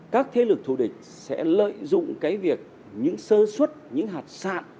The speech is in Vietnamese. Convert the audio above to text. các thế lực thù địch sẽ lợi dụng cái việc những sơ suất những hạt sạn